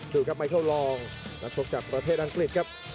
ดูครับไมเคิลลองนักชกจากประเทศอังกฤษครับ